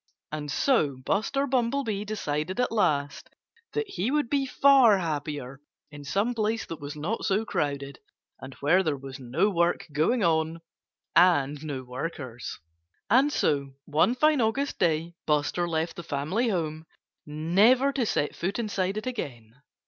And so Buster Bumblebee decided at last that he would be far happier in some place that was not so crowded, and where there was no work going on and no workers. And so, one fine August day, Buster left the family home, never to set foot inside it again.